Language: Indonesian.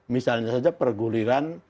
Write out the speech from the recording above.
misalnya saja perguliran